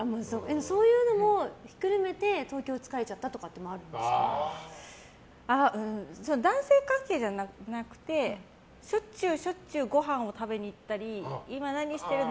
そういうのもひっくるめて東京疲れちゃったっていうのも男性関係じゃなくてしょっちゅうしょっちゅうごはんを食べに行ったり今何してるの？